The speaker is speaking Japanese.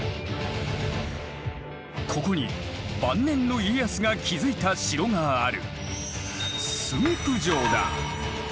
ここに晩年の家康が築いた城がある。